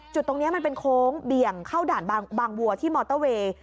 ตรงนี้มันเป็นโค้งเบี่ยงเข้าด่านบางวัวที่มอเตอร์เวย์